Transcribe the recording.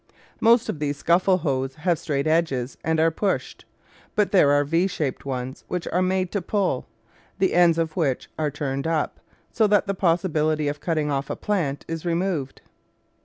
Most of these scuffle hoes have straight edges and are pushed, but there are V shaped ones which are made to pull, the ends of which are turned up, so that the possibility of cutting off a plant is re moved.